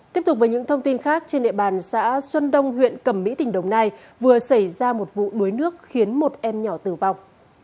tiếp tục với những thông tin khác trên địa bàn xã xuân đông huyện cầm mỹ tỉnh đồng nai vừa xảy ra một vụ đuối nước khiến một em nhỏ tử vong